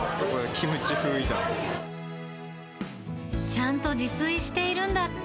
ちゃんと自炊しているんだって。